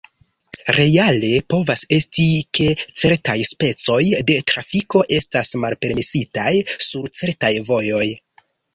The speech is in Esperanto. Reale povas esti, ke certaj specoj de trafiko estas malpermesitaj sur certaj vojoj.